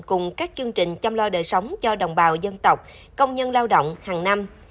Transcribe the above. cùng các chương trình chăm lo đời sống cho đồng bào dân tộc công nhân lao động hàng năm